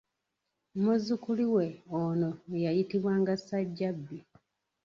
Muzzukulu we ono eyayitibwanga Ssajjabbi.